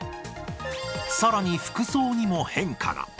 さらに服装にも変化が。